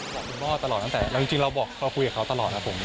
บอกคุณพ่อตลอดตั้งแต่เราจริงเราบอกเราคุยกับเขาตลอดครับผม